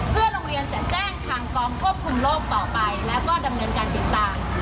เพื่อโรงเรียนจะแจ้งทางกองควบคุมโลกต่อไปแล้วก็ดำเนินการติดตาม